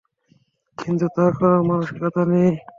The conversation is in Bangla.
কিন্তু তা করার মানসিকতা নেই!